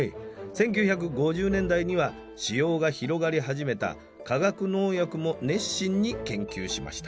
１９５０年代には使用が広がり始めた化学農薬も熱心に研究しました。